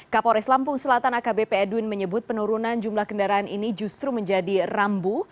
kapolres lampung selatan akbp edwin menyebut penurunan jumlah kendaraan ini justru menjadi rambu